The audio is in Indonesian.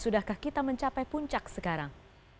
sudahkah kita mencapai puncak sekarang